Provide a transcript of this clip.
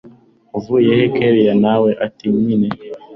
uvuyehe kellia nawe ati nyine